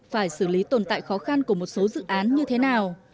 phải xử lý tồn tại khó khăn của một số dự án như thế nào